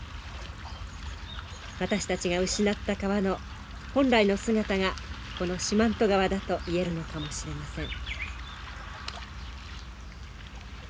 私たちが失った川の本来の姿がこの四万十川だと言えるのかもしれません。